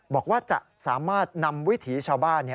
บอกว่าจะสามารถนำวิถีชาวบ้าน